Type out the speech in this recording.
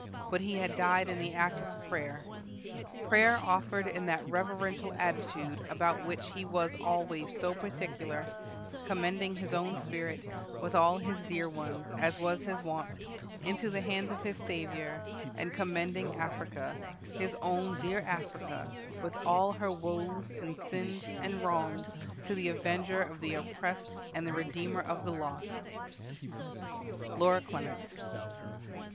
But he had died in the act of prayer prayer offered in that reverential attitude about which he was always so particular; commending his own spirit, with all his dear ones, as was his wont, into the hands of his Saviour; and commending Africa, his own dear Africa, with all her woes and sins and wrongs, to the Avenger of the oppressed and the Redeemer of the lost." LORA CLEMENT.